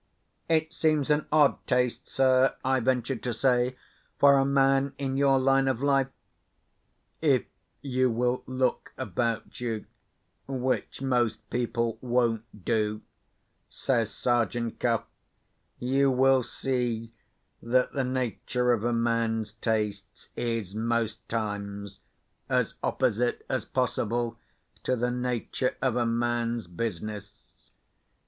"It seems an odd taste, sir," I ventured to say, "for a man in your line of life." "If you will look about you (which most people won't do)," says Sergeant Cuff, "you will see that the nature of a man's tastes is, most times, as opposite as possible to the nature of a man's business.